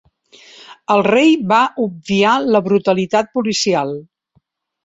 El rei va obviar la brutalitat policial.